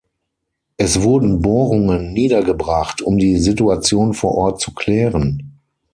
Es wurden Bohrungen niedergebracht, um die Situation vor Ort zu klären.